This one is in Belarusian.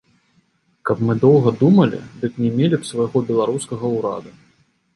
Каб мы доўга думалі, дык не мелі б свайго беларускага ўрада.